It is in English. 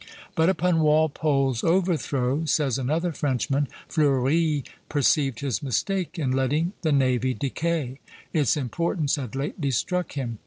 But "upon Walpole's overthrow," says another Frenchman, "Fleuri perceived his mistake in letting the navy decay. Its importance had lately struck him.